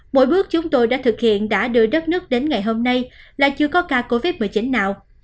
mỗi bước chúng tôi đã thực hiện đã đưa đất nước đến ngày hôm nay là chưa có ca covid một mươi chín nào